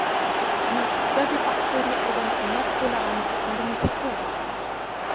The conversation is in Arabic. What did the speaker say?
وَمِنْ أَسْبَابِ التَّقْصِيرِ أَيْضًا أَنْ يَغْفُلَ عَنْ التَّعَلُّمِ فِي الصِّغَرِ